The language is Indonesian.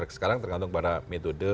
sekarang tergantung pada metode